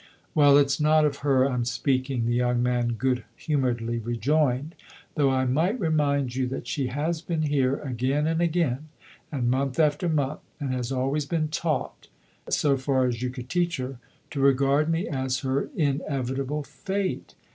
Well, it's not of her I'm speaking/' the young man good humouredly rejoined; "though I might remind you that she has been here again and again, and month after month, and has always been taught so far as you could teach her to regard me as her inevitable fate.